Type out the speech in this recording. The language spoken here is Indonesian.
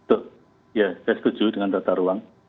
betul ya saya setuju dengan tata ruang